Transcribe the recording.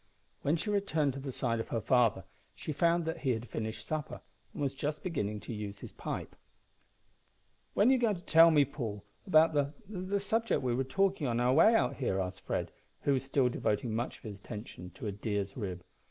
When she returned to the side of her father she found that he had finished supper, and was just beginning to use his pipe. "When are you going to tell me, Paul, about the the subject we were talking of on our way here?" asked Fred, who was still devoting much of his attention to a deer's rib.